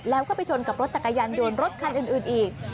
แล้วก็ไปชนกับรถจักรยานยนต์รถคันอื่นอีก